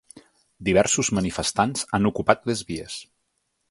Diversos manifestants han ocupat les vies.